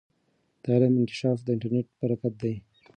د علم انکشاف د انټرنیټ برکت دی.